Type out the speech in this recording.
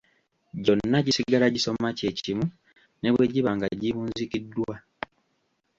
Gyonna gisigala gisoma kye kimu ne bwe giba nga giwunzikiddwa.